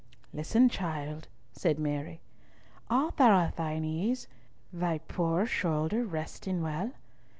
"Listen, child," said Mary. "Art thou at thine ease; thy poor shoulder resting well?